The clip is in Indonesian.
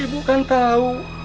ibu kan tahu